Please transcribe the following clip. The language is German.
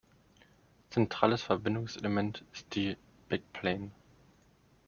Zentrales Verbindungselement ist die Backplane.